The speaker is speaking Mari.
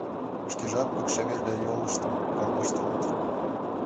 Шкештат пыкше веле йолыштым алмаштылыт.